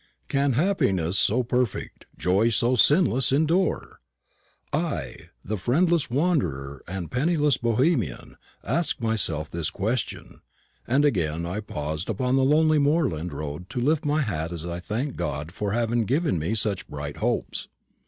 Can happiness so perfect, joy so sinless, endure? I, the friendless wanderer and penniless Bohemian, asked myself this question; and again I paused upon the lonely moorland road to lift my hat as I thanked God for having given me such bright hopes.